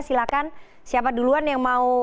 silahkan siapa duluan yang mau